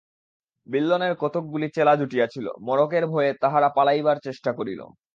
বিল্বনের কতকগুলি চেলা জুটিয়াছিল, মড়কের ভয়ে তাহারা পালাইবার চেষ্টা করিল।